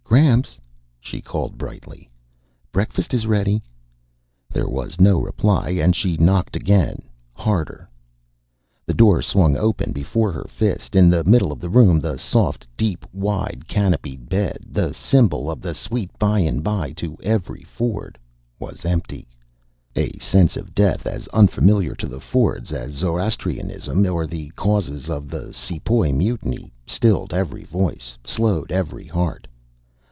"Gramps," she called brightly, "break fast is rea dy." There was no reply and she knocked again, harder. The door swung open before her fist. In the middle of the room, the soft, deep, wide, canopied bed, the symbol of the sweet by and by to every Ford, was empty. A sense of death, as unfamiliar to the Fords as Zoroastrianism or the causes of the Sepoy Mutiny, stilled every voice, slowed every heart.